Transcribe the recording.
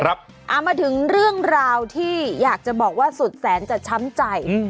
เอามาถึงเรื่องราวที่อยากจะบอกว่าสุดแสนจะช้ำใจ